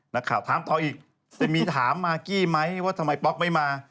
นักข่าวถามต่ออีกจะมีถามมากกี้ไหมว่าทำไมป๊อกไม่มา